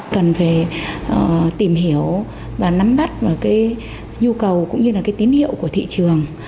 cần phải tìm hiểu và nắm bắt được cái nhu cầu cũng như là cái tín hiệu của thị trường